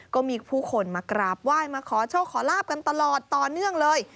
ก็มีผู้คนมากราบไหว้มาขอโชคขอลาบกันตลอดต่อเนื่องเลย